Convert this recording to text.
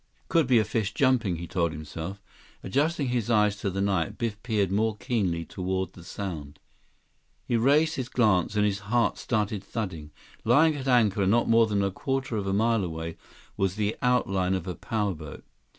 "Could be a fish jumping," he told himself. Adjusting his eyes to the night, Biff peered more keenly toward the sound. He raised his glance, and his heart started thudding. Lying at anchor, not more than a quarter of a mile away, was the outline of a power boat.